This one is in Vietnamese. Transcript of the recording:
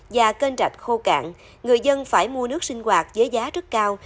và kênh rạch khô cạn người dân phải mua nước sinh hoạt với giá rất cao